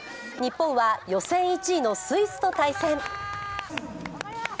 日本は予選１位のスイスと対戦。